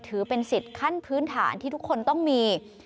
ถือเป็นสิทธิ์ขั้นพื้นฐานที่ทุกคนต้องมี